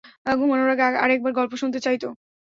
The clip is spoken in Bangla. ঘুমানোর আগে আরেকবার গল্প শুনতে চাইত!